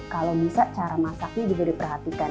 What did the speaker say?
kalau bisa cara masaknya juga diperhatikan